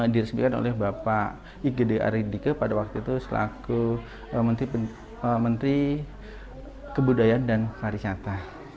dirisikkan oleh bapak igede arindike pada waktu itu selaku menteri kebudayaan dan pariwisata